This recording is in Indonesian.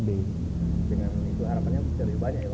dengan itu harapannya jadi banyak ya pak